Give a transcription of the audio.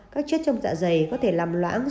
các chất trong dạ dày có thể làm loãng